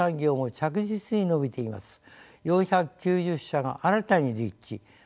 ４９０社が新たに立地。